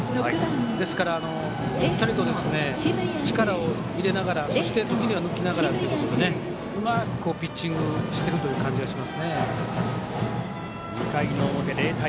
ですから、ゆったりと力を入れながらそして、時には抜きながらといううまくピッチングをしている２回の表、０対０。